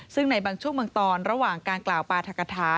ซึ่งในบางช่วงบางตอนระหว่างการกล่าวปราธกฐา